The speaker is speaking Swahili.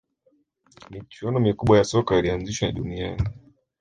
michuano mikubwa ya soka ilianzishwa duniani